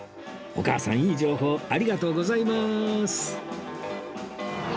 お母さんいい情報ありがとうございます